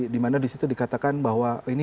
di mana di situ dikatakan